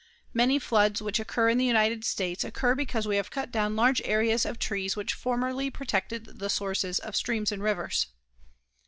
Many floods which occur in the United States occur because we have cut down large areas of trees which formerly protected the sources of streams and rivers.